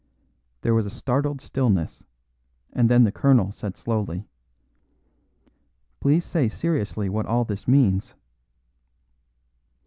There was a startled stillness, and then the colonel said slowly, "Please say seriously what all this means."